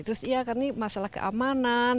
terus iya karena ini masalah keamanan